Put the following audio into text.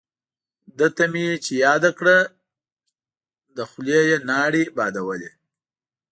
دته مې چې یاده کړه له خولې یې لاړې بادولې.